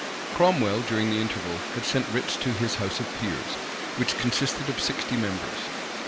Cromwell, during the interval, had sent writs to his house of peers, which consisted of sixty members.